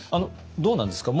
どうなんですか？